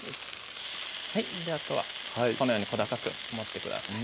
あとはこのように小高く盛ってください